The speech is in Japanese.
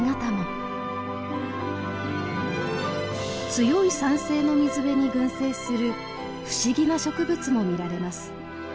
強い酸性の水辺に群生する不思議な植物も見られます。